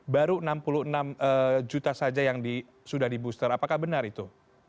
baru enam puluh enam juta saja yang sudah di booster apakah benar itu